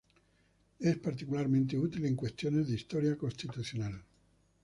Es particularmente útil en cuestiones de historia constitucional.